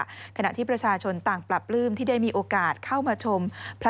ขณะที่ประชาชนต่างปรับลื้มที่ได้มีโอกาสเข้ามาชม